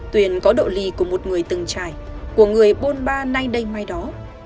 tuyền có độ ly của một người từng trải của người bôn ba nay đây mai đó